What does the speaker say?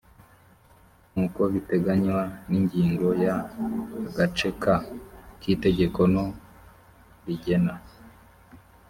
nk uko biteganywa n ingingo ya agace ka k itegeko no rigena